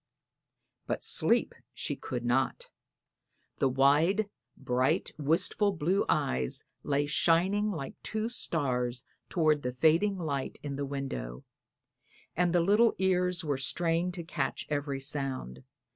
'" But sleep she could not. The wide, bright, wistful blue eyes lay shining like two stars toward the fading light in the window, and the little ears were strained to catch every sound.